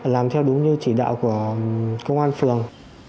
làm theo đúng như chỉ đạo của công an phường